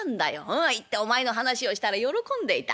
うん行ってお前の話をしたら喜んでいた。